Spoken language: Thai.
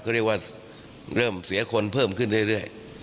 เริ่มเสียคนเพิ่มขึ้นเรื่อย